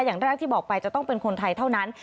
อย่างแรกที่บอกไปจะต้องเป็นคนไทยเท่านั้น